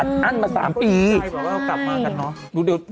อัทไทบ์บอกว่าเรากลับมากันเนาะ